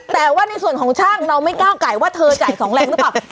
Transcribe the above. แต่ว่าในส่วนของช่างเราไม่ก้าวไก่ว่าเธอจ่ายสองแรงหรือเปล่า